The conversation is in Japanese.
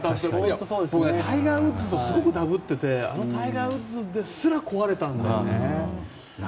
僕、タイガー・ウッズとすごくだぶっててあのタイガー・ウッズですら壊れたんだよね。